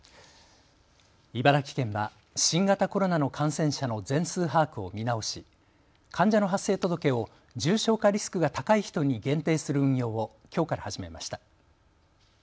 茨城県は新型コロナの感染者の全数把握を見直し患者の発生届を重症化リスクが高い人に限定する運用をきょうから始めました。